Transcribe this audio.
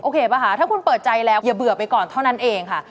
ป่ะคะถ้าคุณเปิดใจแล้วอย่าเบื่อไปก่อนเท่านั้นเองค่ะ